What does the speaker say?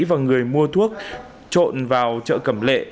và người mua thuốc trộn vào chợ cầm lệ